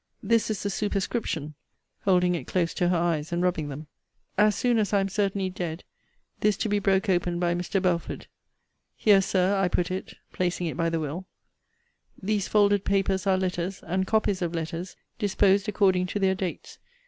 This is the superscription [holding it close to her eyes, and rubbing them]; As soon as I am certainly dead, this to be broke open by Mr. Belford. Here, Sir, I put it [placing it by the will]. These folded papers are letters, and copies of letters, disposed according to their dates.